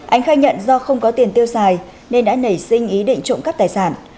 ánh khai nhận do không có tiền tiêu xài nên đã nảy sinh ý định trộm cắp tài sản